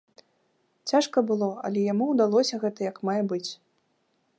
Цяжка было, але яму ўдалося гэта як мае быць.